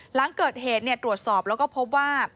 หลังเกิดเหตุตรวจสอบแล้วก็พบว่า